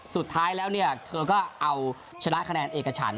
สุดท้ายแล้วเธอก็ชนะคะแนนเอกชัน